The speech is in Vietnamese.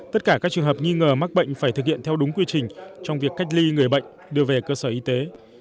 tất cả các trường hợp nghi ngờ mắc bệnh phải thực hiện theo đúng quy trình trong việc cách ly người bệnh đưa về cơ sở y tế